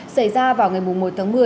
xảy ra vào ngày một tháng một mươi